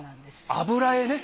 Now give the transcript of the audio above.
油絵ね。